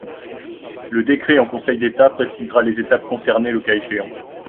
Le décret en Conseil d’État précisera les étapes concernées le cas échéant.